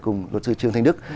cùng luật sư trương thanh đức